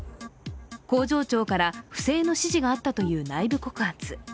工場長から不正の指示があったという内部告発。